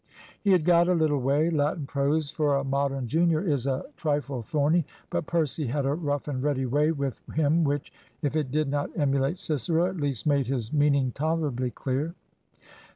He had got a little way. Latin prose for a Modern junior is a trifle thorny; but Percy had a rough and ready way with him which, if it did not emulate Cicero, at least made his meaning tolerably clear.